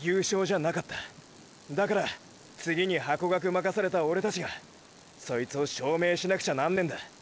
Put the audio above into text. だから次にハコガク任されたオレたちがそいつを証明しなくちゃなんねェんだ。